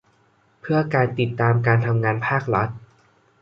เพื่อการติดตามการทำงานภาครัฐ